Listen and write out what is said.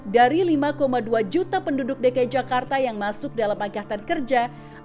dari lima dua juta penduduk dki jakarta yang masuk dalam angkatan kerja